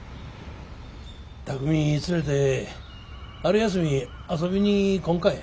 巧海連れて春休み遊びに来んかえ？